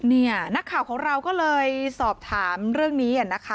นี่นักข่าวของเราก็เลยสอบถามเรื่องนี้นะคะ